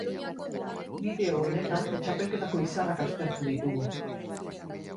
Bideo honetan txapelketako izarrak aztertu ditugu.